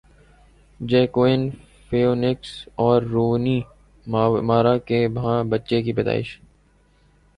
Joaquin Phoenix اور Rooney Mara کے ہاں بچے کی پیدائش